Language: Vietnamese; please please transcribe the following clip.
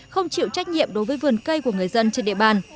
không chịu trách nhiệm đối với vườn cây của người dân trên địa bàn